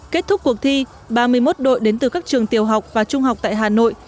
kết thúc cuộc thi ba mươi một đội đến từ các trường tiểu học và trung học tại hà nội